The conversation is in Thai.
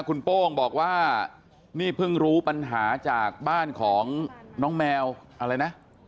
คุณโป้งบอกว่านี่เพิ่งรู้ปัญหาจากบ้านของน้องแมวอะไรนะ